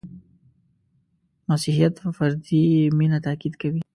• مسیحیت په فردي مینه تأکید کوي.